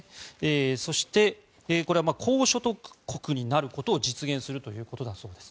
そして、これは高所得国になることを実現するということだそうです。